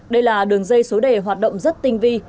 đây là đường dây số đề hoạt động rất tinh vi